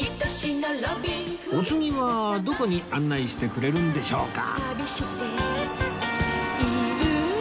お次はどこに案内してくれるんでしょうか？